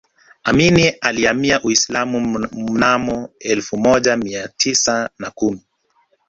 amini alihamia Uislamu mnamo elfu moja mia tisa na kumi